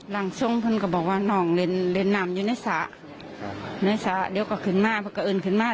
ร่างทรงพึนก็บอกว่าน้องเล่นเล่นน้ำอยู่ในสระครับในสระเดี๋ยวกว่าขึ้นมา